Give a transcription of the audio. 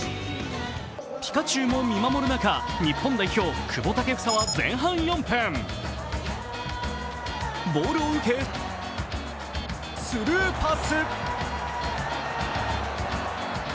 ピカチュウも見守る中、日本代表・久保建英は前半４分、ボールを受けスルーパス。